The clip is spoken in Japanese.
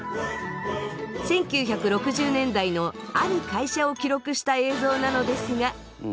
１９６０年代のある会社を記録した映像なのですが。